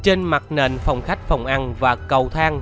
trên mặt nền phòng khách phòng ăn và cầu thang